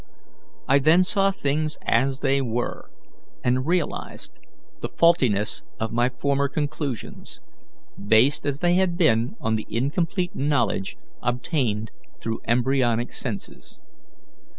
I then saw things as they were, and realized the faultiness of my former conclusions, based as they had been on the incomplete knowledge obtained through embryonic senses.